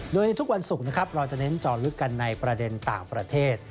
โดยในทุกวันศุกร์นะครับเราจะเน้นจอลึกกันในประเด็นต่างประเทศ